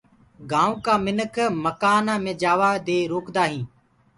گآئونٚ ڪآ منک مڪآنآ مي جآوآ دي روڪدآ هينٚ۔